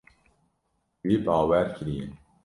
Wî bawer kiriye.